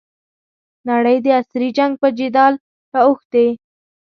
نړۍ د عصري جنګ په جدل رااوښتې.